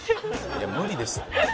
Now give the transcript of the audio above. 「いや無理ですって」